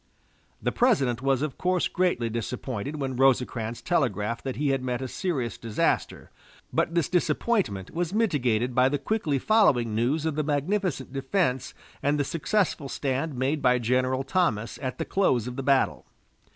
The President was of course greatly disappointed when Rosecrans telegraphed that he had met a serious disaster, but this disappointment was mitigated by the quickly following news of the magnificent defense and the successful stand made by General Thomas at the close of the battle.